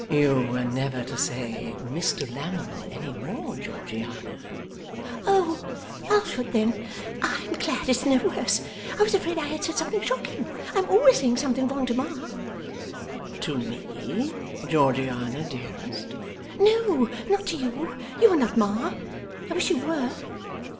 'You were never to say Mr Lammle any more, Georgiana.' 'Oh! Alfred, then. I am glad it's no worse. I was afraid I had said something shocking. I am always saying something wrong to ma.' 'To me, Georgiana dearest?' 'No, not to you; you are not ma. I wish you were.